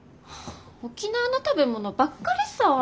沖縄の食べ物ばっかりさぁ。